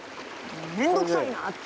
面倒くさいなって。